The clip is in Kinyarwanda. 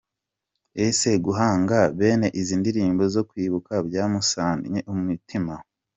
Ese guhanga bene izi ndirimbo zo kwibuka byamusannye umutima?.